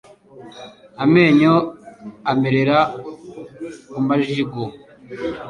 Amenyo amerera ku majigo